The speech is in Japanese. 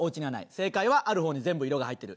正解はある方に全部色が入ってる。